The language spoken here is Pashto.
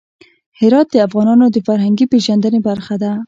هرات د افغانانو د فرهنګي پیژندنې برخه ده.